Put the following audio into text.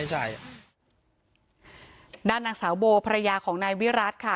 ด้านนางสาวโบภรรยาของนายวิรัติค่ะ